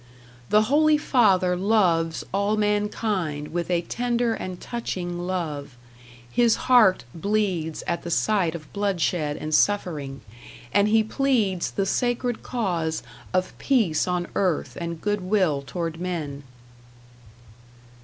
The Holy Father loves all mankind with a tender and touching love; his heart bleeds at the sight of bloodshed and suffering, and he pleads the sacred cause of peace on earth and good will toward men.